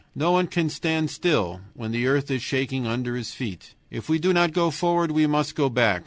No one can stand still when the earth is shaking under his feet. If we do not go forward we must go back.